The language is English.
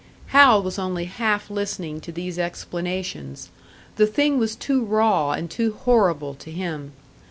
Hal was only half listening to these explanations. The thing was too raw and too horrible to him.